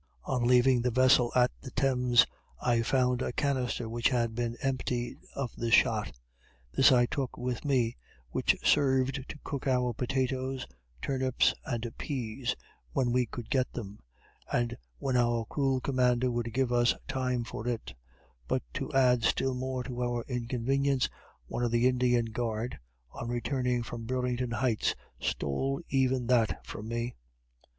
On leaving the vessel on the Thames, I found a canister which had been emptied of the shot; this I took with me, which served to cook our potatoes, turnips, and peas, when we could get them, and when our cruel commander would give us time for it; but to add still more to our inconvenience, one of the Indian guard, on returning from Burlington Heights, stole even that from me.